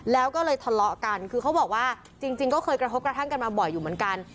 แล้วก็เลยทะเลาะกันคือเขาบอกว่าจริงก็เคยกระทบกระทั่งกันมาบ่อยอยู่เหมือนกัน